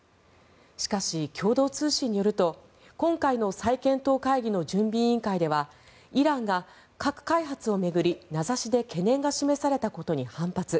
しかし、共同通信によると今回の再検討会議の準備委員会ではイランが核開発を巡り名指しで懸念が示されたことに反発。